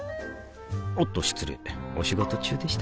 おっと失礼お仕事中でしたか